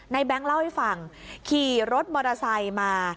แบงค์เล่าให้ฟังขี่รถมอเตอร์ไซค์มา